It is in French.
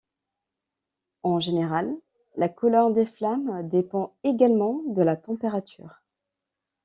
En général, la couleur des flammes dépend également de la température.